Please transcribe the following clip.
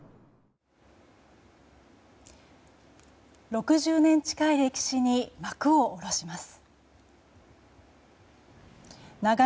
６０年近い歴史に幕を下ろします。